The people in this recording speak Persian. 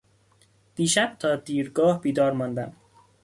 دیشب تا دیرگاه بیدار ماندم.